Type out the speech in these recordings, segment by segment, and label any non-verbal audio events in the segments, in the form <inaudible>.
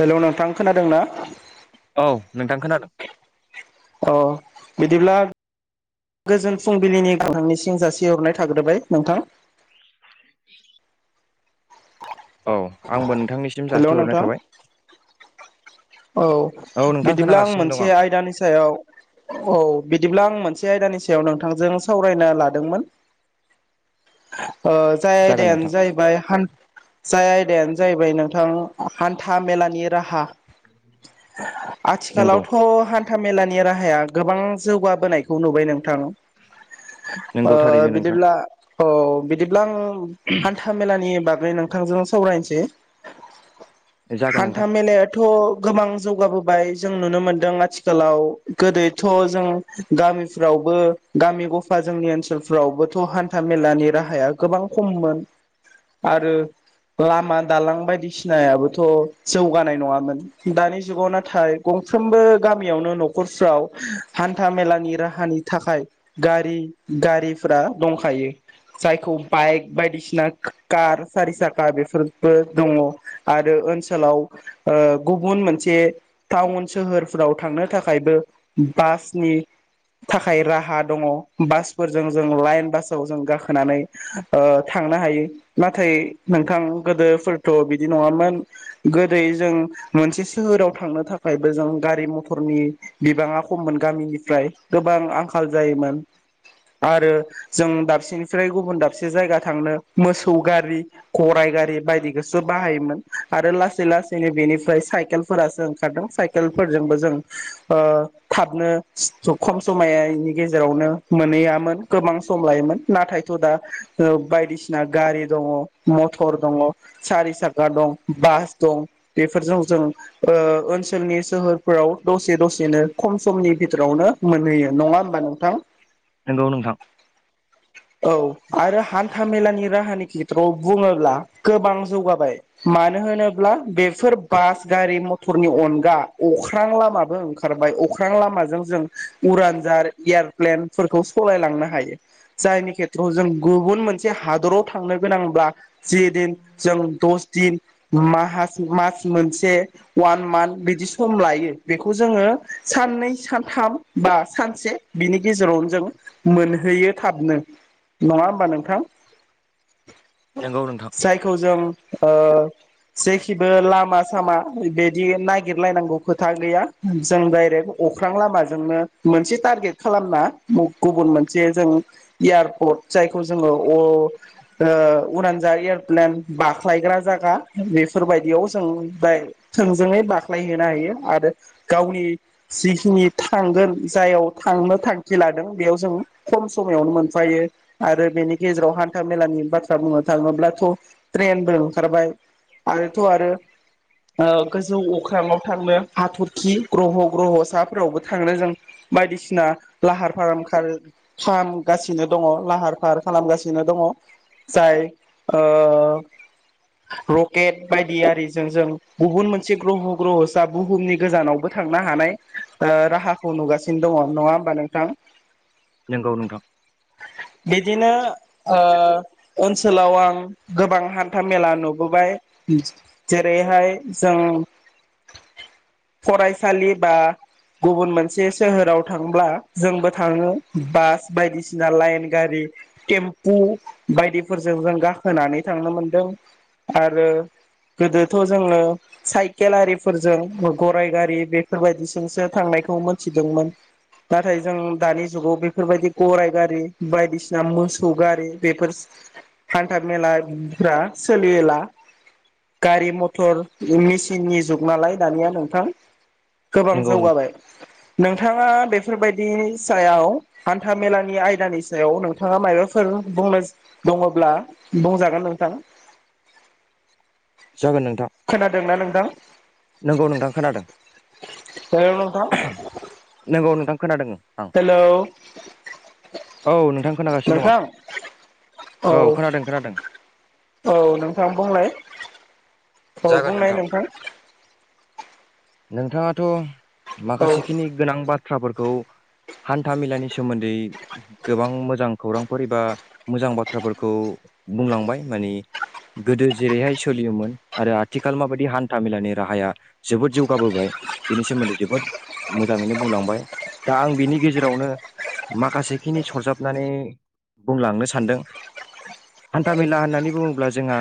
Hello नोंथां खोनादों ना औ नोंथां खोनादोंं अ बिदिब्ला गोजोन फुंबिलिनि नोंथांनि सिम जासिहरनाय थाग्रोबाय नोंथां <inaudible> औ आंबो नोंथांनिसिम हेलौ जासिहरनाय नोंथां थाबाय औ औ नोंथां बिदिब्ला आं खोनागासिनो दं मोनसे आयदानि सायाव औ बिदिब्ला आं मोनसे से आयदानि सायाव नोंथांजों सावरायना लादोंमोन ओ जाय जागोन आयदायानो नोंथां जाहैबाय हान जाय आयदायानो जाहैबाय नोंथां हान्था मेलानि राहा <inaudible> नंगौ आथिखालावथ' हा न्था मेलानि राहाया गोबां जौगाबोनायखौ नुबाय नों थां ओ नंगौ थारैनो नोंथां बिदिब्ला अ बिदिब्ला आं हान्था मेलानि बा- फ्राय नोंथांजों सावरायनोसै जागोन नोंथां हान्था मेेलाथ' गोबां जौगाबोबाय जों नुनो मोनदों आथिखालाव गोदोथ' जों गामिफ्रावबो गामि गफा जोंनि ओनसोलफ्रावबोथ' हान्था मेलानि राहाया गोबां खममोन आरो लामा दालां बायदिसिनायाबोथ' जौगानाय नङामोन। दानि जुगाव नाथाय गंफ्रोमबो गामियावनो न'खरफ्राव हान्था मेलानि राहानि थाखाय गारि गारिफ्रा दंखायो जायखौ बाइक बायदिसिना कार सारि साखा बेफोरबो दङ आरो ओनसोलाव गुबुन मोनसे टाउन सोहोरफोराव थांनो थाखायबो बासनि थाखाय राहा दङ बासफोरजों जों लाइन बासाव जों गाखोनानै ओ थांनो हायो नाथाय नोंथां गोदोफोरथ' बिदि नङामोन गोदो जों मोनसे सोहोराव थांनो थाखायबो जों गारि मथरनि बिबाङा खममोन गामिनिफ्राय गोबां आंखाल जायोमोन आरो जों दाबसेनिफ्राय गुबुन दाबसे जायगा थांनो मोसौ गारि गराइ गारि बायदिखौसो बाहायोमोन आरो लासै लासैनो बेनिफ्राय साइकेल फोरासो ओंखारदों साइकेल फोरजोंबो जों ओ थाबनो स खम समायनि गेजेरावनो मोनहैयामोन गोबां सम लायोमोन। नाथाय दा ओ बायदि स ना गारि दङ मथर दङ। सारि साखा दं बास दं बेफोरजों जों ओ ओन सोलनि सोहोरफोराव दसे दसेनो खम समनि बिथोरावनो मोनहैयो। नङा होमबा नों थां नंगौ औ आरो हान न्था मेलानि राहानि खेथ्रआव बुङोब्ला गोबां जौगाबाय मानो होनोब्ला बेफोर बास गारि मथरनि अनगा अख्रां लामाबो ओंखारबाय अख्रां लामाजों जों उरानजार एयारप्लेनफोरखौ सालायलांनो हायो। जायनि खेथ्रआव जों गुबुन मोनसे हादराव थांनो गोनांब्ला जे दिन जों दस दिन माहासे मास मोनसे वान मान्थ बिदि सम लायो बेखौ जोङो साननै सानथाम बा सानसे बिनि गेजेरावनो जों मोनहैयो थाबनो नङा होमबा नोंथां। नोंथां जायखौ जों ओ जेखिबो लाम मा सामा बिदि नागिरलायनांगौ खोथा गैया जों डाइरेक अख्रां लामाजोंनो मोनसे टारगेट खालामना गुबुन मोनसे जों एयारपर्ट जायखौ जोङो अ ओ उरानजा एयारप्लेन बाख्लायग्रा जा बेफोरबायदियाव जों दोय थोंजोङै बाख्लायहैनो हायो आरो गावनि जिखिनि थांगोन जायाव थांनो थांखि लादों बेयाव जों खम समायावनो मोनफायो आरो बेनि गेजेराव हान्था मेलानि बाथ्रा बुंनो थाङोब्लाथ' ट्रेनबो ओंखारबाय। आरोथ' आरो ओ गोजौ अख्रांआव थांनो हाथरखि ग्रह ग्रहसाफोरावबो थांनो जों बायदिसिना लाहार फाराम खाल खामगासिनो दङ लाहार फाहार खालामगासिनो दङ जाय ओ रकेट बायदियारि जों जों गुबुन मोनसे ग्रह' ग्रह'सा बुहुमनि गोजानावबो थांनो हानाय ओ राहाखौ नुगासिनो दङ नङा होमबा नोंथां? नोंगौ नोंथां बिदिनो ओ-ओनसोलाव आं गोबां हान्था मेला नुबोबाय। जेरैहाय जों फरायसालि बा गुबुन मोनसे सोहोराव थांब्ला जोंबो थाङो बास बायदिसिना लाइन गारि टेम्पु बायदिफोरजों जों गाखोनानै थांनो मोनदों आरो। गोदोथ' जोङो साइकेल आरिफोरजों गराइ गारि बेफोरबायदिजोंसो थांनायखौ मोनथिदोंमोन नाथाय जों दानि जुगाव बेफोरबायदि गराइ गारि बायदिसिना मोसौ गारि बेफोर हान्था मेलाफ्रा सोलिला गारि मथर मेचिननि जुग नालाय दानिया नोंथां गोबां नंगौ नों जौगाबाय नोंथाङा बे बेफोरबायदि सायाव हान्था मेलानि आयदानि सायाव नोंथाङा माबाफोर बुंनो दङब्ला बुंजागोन नोंथां जागोन नोंथां खोनादोंना नोंथां नंगौ नोंथां खोनादों हेल' नोंथां? नंगौ नोंथां खोनादों। आं हेलौ औ नोंथां खोनागासिनो दं नोंथां आं औ खोनादों खोनादों। औ नोंथाङां बुंलाय। औ बुंनाय नोंथां। नोंथाङाथ' औ माखासेखिनि गोनां बाथ थ्राफोरखौ हान्था मेलानि सोमोन्दै गोबां मोजां खौरांफोर एबा मोजां बाथ्राफोरखौ बुंलांबाय माने गोदो जेरैहाय सोलियोमोन आरो आथिखाल माबायदि हान्था मेलानि राहाया जोबोद जौगाबोबाय। बेनि सोमोन्दै जोबोद मोजाङैनो बुंलांबाय। दा आं बिनि गेजेरावनो माखासेखिनि सरजाबनानै बुंलांनो सानदों। हान्था मेला होननानै बुङोब्ला जोंहा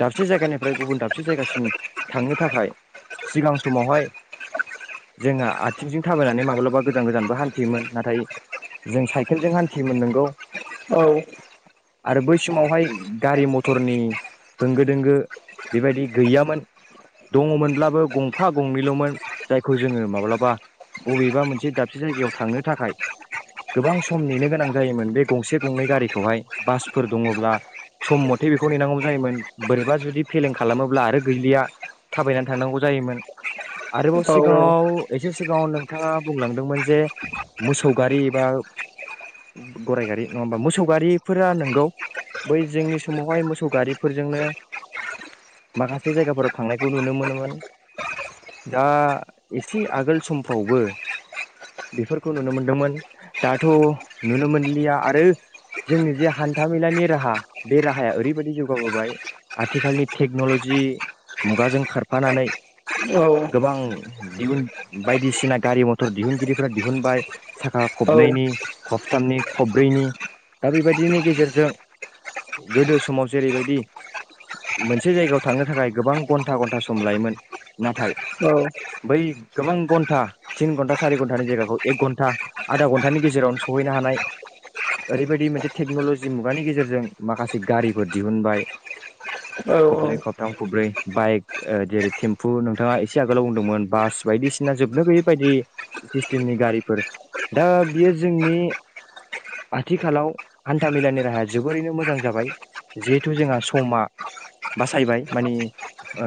दाब से जायगानिफ्राय गुबुन दाबसे जायगासिम थांनो थाखाय सिगां समावहाय जोंहा आथिंजों थाबायनानै माब्लाबा गोजान गोजानबो हान्थियोमोन। नाथाय जों साइकेलजों हान्थियोमोन नोंगौ। औ। आरो बै समावहाय गारि मटरनि होंगो दोंगो बेबायदि गैयामोन। दङ'मोनब्लाबो गंफा गंनैल'मोन। जायखौ जोङो माब्लाबा बबेबा मोनसे दाबसे जायगायाव थांनो थाखाय गोबां सम नेनो गोनां जायोमोन बे गंसे गंनै गारिखौहाय बासफोर दङब्ला सम मथे बेखौ नेनांगौ जायोमोन। बोरैबा जुदि फेलें खालामोब्ला आरो गैलिया। थाबायनानै थांनांगौ जायोमोन। आरोबाव औ सिगाङाव एसे सिगाङाव नोंथाङा बुंलांदोंमोन जे मोसौ गारि बा गराय गारि नङा होमबा मोसौ गारिफोरा नंगौ बै जोंनि समावहाय मोसौ गारिफोरजोंनो माखासे जायगाफोराव थांनायखौ नुनो मोनोमोन। दा एसे आगोल समफ्रावबो बेफोरखौ नुनो मोनदोंमोन दाथ' नुनो मोनलिया आरो जोंनि जे हान्थामेलानि राहा बे राहाया ओरैबायदि जौगाबोबाय। आथिखालनि टेक्न'लजि मुगाजों खारफानानै गोबां औ। दिहुन बायदिसिना गारि मथर दिहुनगिरिफोरा दिहुनबाय साखा औ खबनैनि खबथामनि खबब्रैनि दा बेबायदिनि गेजेरजों गोदो समाव जेरैबायदि मोनसे जायगायाव थांनो थाखाय गोबां घन्टा घन्टा सम लायोमोन। नाथाय औ। बै गोबां घन्टा थिन घन्टा सारि घन्टानि जायगाखौ एक घन्टा आधा घन्टानि गेजेरावनो सहैनो हानाय ओरैबायदि मोनसे टेक्न'लजि मुगानि गेजेरजों माखासे गारिफोर दिहुनबाय। औ खबनै खबथाम खबब्रै बाइक ओ जेरै टेम्फु नोंथाङा एसे आगोलाव बुंदोंमोन बास बायदिसिना जोबनो गैयै बायदि सिसटेमनि गारिफोर। दा बियो जोंनि आथिखालाव हान्था मेलानि राहाया जोबोरैनो मोजां जाबाय। जिहेथु जोंहा समा बासायबाय माने ओ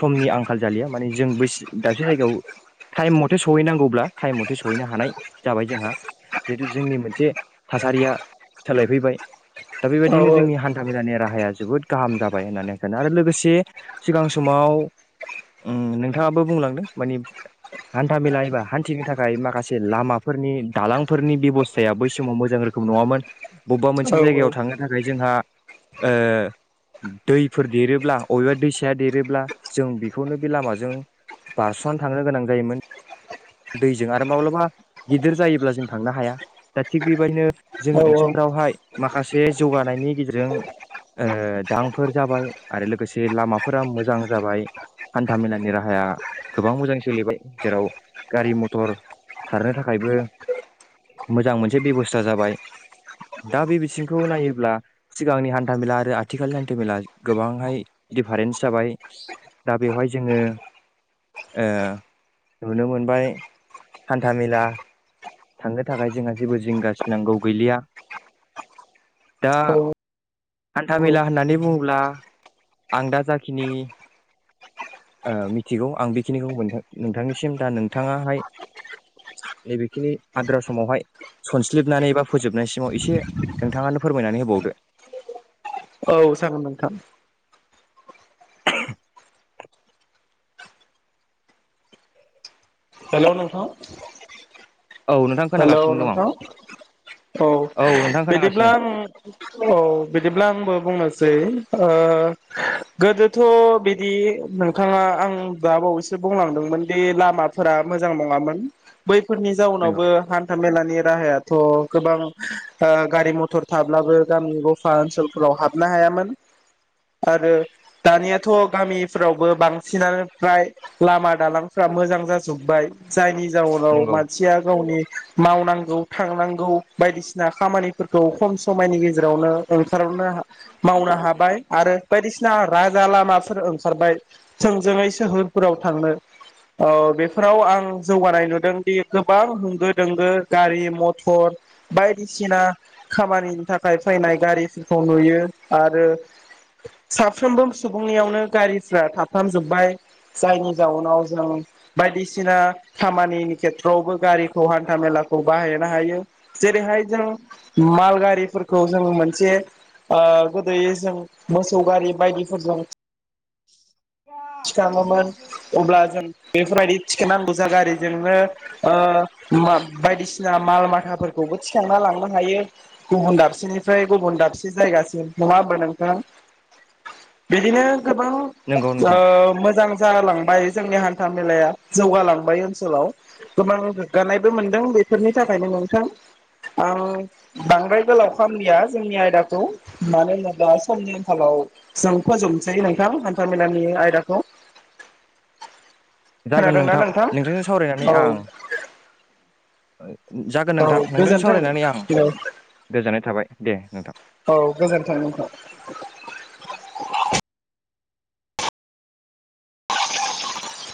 समनि आंखाल जालिया माने जों बै दाबसे जायगायाव टाइम मथे सहैनांगौब्ला टाइम मथे सहैनो हानाय जाबाय जोंहा। जिहेतु जोंनि मोनसे थासारिया सोलायफैबाय। दा बेबायदिनो औ जोंनि हान्था मेलानि राहाया जोबोद गाहाम जाबाय होननानै आं सानो आरो लोगोसे सिगां समाव ओम नोंथाङाबो बुंलांदों मानि हान्थामेला एबा हान्थिनो थाखाय माखासे लामाफोरनि दालांफोरनि बेबस्थाया बै समाव मोजां रोखोम नङामोन। बबेबा मोनसे जायगायाव थांनो थाखाय जोंहा ओ दैफोर देरोब्ला अबेबा दैसाया देरोब्ला जों बेखौनो बे लामाजों बारसनानै थांनो गोनां जायोमोन। दैजों आरो माब्लाबा गिदिर जायोब्ला जों थांनो हाया। दा थिग बेबायदिनो जोंनि ओनसोलफ्रावहाय माखासे जौगानायनि गेजेरजों ओ दालांफोर जाबाय आरो लोगोसे लामाफोरा मोजां जाबाय। हान्था मेलानि राहाया गोबां मोजां सोलिबाय। जेराव गारि मथर खारनो थाखायबो मोजां मोनसे बेबस्था जाबाय। दा बे बिथिंखौ नायोब्ला सिगांनि हान्थामेला आरो आथिखालनि हान्थामेला गोबांहाय दिफारेन्स जाबाय। दा बेवहाय जोङो ओ नुनो मोन बाय हान्थाामेला थांनो थाखाय जोंहा जेबो जिंगासिनांगौ गैलिया। दा हान्था औ औ मेला होननानै बुङोब्ला आं दा जाखिनि ओ मिथिगौ आं बेखिनिखौ मोनथां नोंथांनिसिम दा नोंथाङाहाय नैबेखिनि आद्रा समावहाय सनस्लिबनानै बा फोजोबनायसिमाव एसे नोंथाङानो फोरमायनानै होबावदो। औ जागोन नोंथां। <inaudible> हेलौ नोंथां। औ नोंथां हेलौ खोनागासिनो दं आं नोंथां औ नोंथां बिदिब्ला खोनागासिनो आं औ बिदिब्ला आंबो बुंनो सै ओ गोदोथ' बिदि नोंथाङा आं दा बावैसो बुंलांदोंमोन दि लामा फोरा मोजां नङामोन बै फोरनि जाउनाव नंगौ हान्था मेला नि राहाया थ' गोबां ओ गारि मथर थाब्लाबो गामि गफा ओनसोलफोराव हाबनो हायामोन आरो दानियाथ'गामिफ्रावबो बांसिनानो फ्राय लामा दालांफ्रा मोजां जा जुबबाइ जायनि जाउनाव नंगौ मानसिया गावनि मावनांगौ थांनांगौ बायदिसिना खामानिफोरखौ खम समायनि गेजेरावनो ओंखारनो मावनो हाबाय आरो बायदिसिना राजा लामाफोर ओंखारबाय थोंजोङै सोहोरफोराव थांनो ओ बे फोराव आं जौगानाय नुदोंदि गोबां होंगो दोंगो गारि मथर बायदिसिना खामानिनि थाखाय फैनाय गारिफोरखौ नुयो आरो साफ्रोमबो सुबुंनियावनो गारिफ्रा थाफ्रामजोब्बाय जायनि जाउनाव जों बायदिसिना खामानिनि खेथ्रआवबो गारिखौ हान्था मेलाखौ बाहायनो हायो जेरैहाय जों माल गारिफोरखौ जों मोनसे ओ गोदोयो जों मोसौ गारि बायदिफोरजों <inaudible> थिखाङोमोन अब्ला जों बेफोरबायदि थिखांनांगौ जा गारिजोंनो ओ मा बायदिसिना माल माथाफोरखौबो थिखांना लांनो हायो गुबुन दाबसेनिफ्राय गुबुन दाबसे जायगासिम नङा होमबा नोंथां बिदिनो गोबां नंगौ नोंथां औ मोजां जालांबाय जोंनि हान्था मेलाया जौगालांबाय ओनसोलाव गोबां गोग्गानायबो मोनदों बेफोरनि थाखायनो नोंथां आं बांद्राय गोलाव खालामलिया जोंनि आयदाखौ मानो होनोब्ला समनि आंखालाव जों फोजोबनोसै नोंथां हान्था मेलानि नि‌ आयदाखौ जागोन नोंथां नोंथांजों सावरायनानै औ आं ओ जागोन औ नोंथां नोंथांजों गोजोन्थों सावरायनानै आं औ गोजोननाय थाबाय दे नोंथां औ गोजोन्थों नोंथां <inaudible>